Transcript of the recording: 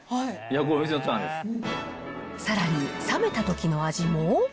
これ、さらに冷めたときの味も。